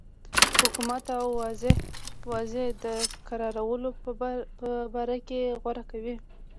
حکومت د اوضاع د کرارولو په باره کې غور کوي.